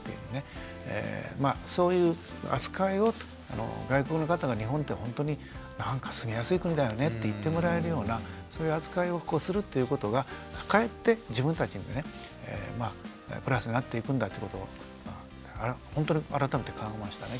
そういう扱いを外国の方が日本ってほんとになんか住みやすい国だよねって言ってもらえるようなそういう扱いをするっていうことがかえって自分たちにねプラスになっていくんだっていうことをほんとに改めて考えましたね